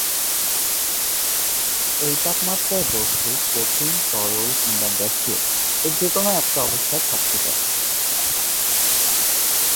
এই তাপমাত্রায় বস্তু, কঠিন তরল কিংবা গ্যাসীয় এর যে কোন অবস্থায় থাকতে পারে।